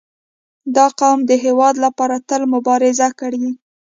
• دا قوم د هېواد لپاره تل مبارزه کړې.